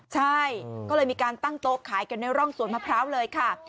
ใช่ก็เลยมีการตั้งโต๊ะขายกันในร่องสวนมะพร้าวเลยค่ะ